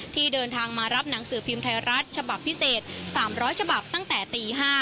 ที่เดินทางมารับหนังสือพิมพ์ไทยรัฐฉบับพิเศษ๓๐๐ฉบับตั้งแต่ตี๕